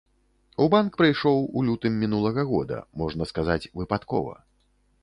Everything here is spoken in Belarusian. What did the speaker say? У банк прыйшоў у лютым мінулага года, можна сказаць, выпадкова.